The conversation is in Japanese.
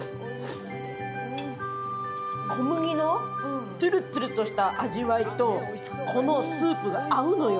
小麦のトゥルトゥルした味わいとこのスープが合うのよ。